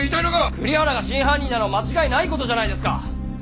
栗原が真犯人なのは間違いない事じゃないですか！